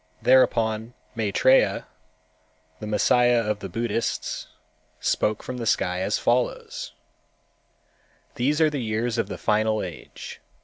Thereupon Maitrêya, the Messiah of the Buddhists, spoke from the sky as follows: "These are the years of the final age.